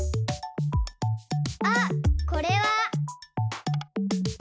あっこれは。